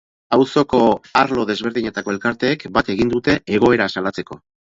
Auzoko arlo desberdinetako elkarteek bat egin dute egoera salatzeko.